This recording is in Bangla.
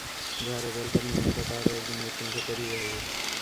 যাহারা রেলপথ-নির্মাতা, তাহারাও একদিন মৃত্যুমুখে পতিত হইবে।